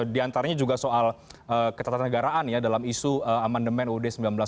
diantaranya juga soal ketatanegaraan dalam isu amendement uud seribu sembilan ratus empat puluh lima